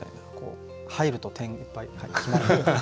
入ると点いっぱい決まるみたいな。